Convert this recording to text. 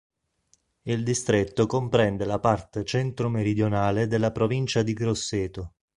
Il distretto comprende la parte centro-meridionale della provincia di Grosseto.